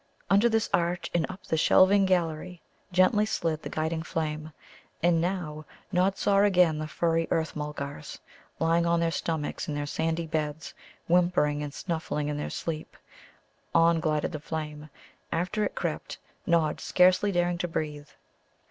Under this arch and up the shelving gallery gently slid the guiding flame. And now Nod saw again the furry Earth mulgars, lying on their stomachs in their sandy beds, whimpering and snuffling in their sleep. On glided the flame; after it crept Nod, scarcely daring to breathe.